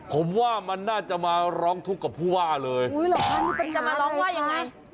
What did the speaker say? ผมว่ามันน่าจะมาร้องทุกข์กับผู้ว่าเลยจะมาร้องว่ายังไง